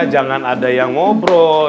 jangan ada yang ngobrol